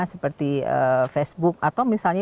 seperti facebook atau misalnya